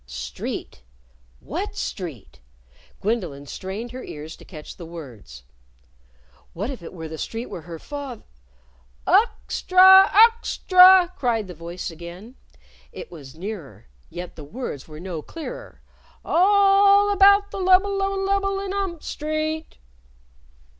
Street! What street? Gwendolyn strained her ears to catch the words. What if it were the street where her fath "Uxtra! Uxtra!" cried the voice again. It was nearer, yet the words were no clearer. "A a all about the lubble lubble lubble in ump Street!"